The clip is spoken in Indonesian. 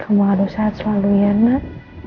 kamu harus sehat selalu ya nak